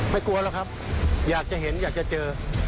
กลัวหรอกครับอยากจะเห็นอยากจะเจอ